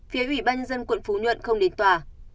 phía ủy ban nhân dân quận phú nhuận không đến tòa